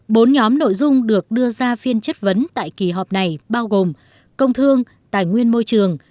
bốn nhóm nội dung được đưa ra phiên chất vấn tại kỳ họp này bao gồm công thương tài nguyên môi trường